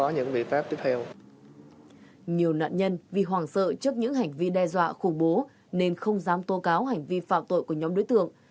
nhiều nạn nhân vì hoàng sợ trước những hành vi đe dọa khủng bố nên không dám tố cáo hành vi phạm tội của nhóm đối tượng